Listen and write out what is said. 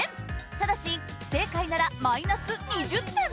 ただし不正解ならマイナス２０点！